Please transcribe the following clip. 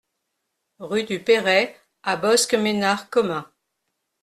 Rue du Perrey à Bosc-Bénard-Commin